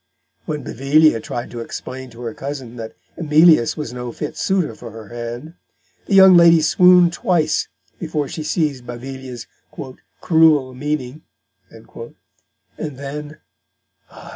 When Bevillia tried to explain to her cousin that Emilius was no fit suitor for her hand, the young lady swooned twice before she seized Bevillia's "cruel meaning;" and then ah!